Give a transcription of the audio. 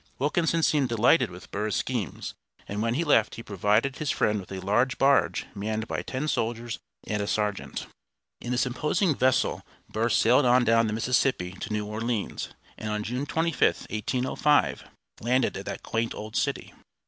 Wilkinson seemed delighted with Burr's schemes, and when he left he provided his friend with a large barge manned by ten soldiers and a sergeant. In this imposing vessel Burr sailed on down the Mississippi to New Orleans, and on June 25, 1805, landed at that quaint old city.